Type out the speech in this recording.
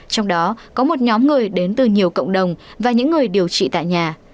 trong đó có một nhóm người đến từ nhiều cộng đồng và những người điều trị tại nhà